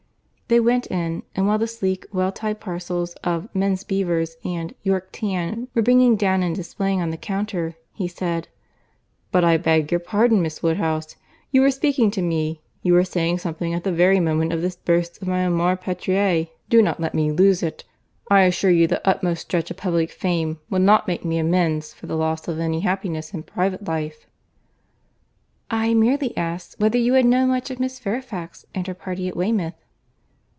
They went in; and while the sleek, well tied parcels of "Men's Beavers" and "York Tan" were bringing down and displaying on the counter, he said—"But I beg your pardon, Miss Woodhouse, you were speaking to me, you were saying something at the very moment of this burst of my amor patriae. Do not let me lose it. I assure you the utmost stretch of public fame would not make me amends for the loss of any happiness in private life." "I merely asked, whether you had known much of Miss Fairfax and her party at Weymouth."